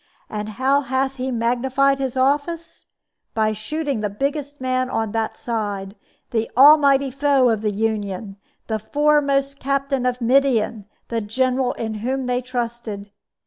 And how hath he magnified his office? By shooting the biggest man on that side, the almighty foe of the Union, the foremost captain of Midian the general in whom they trusted.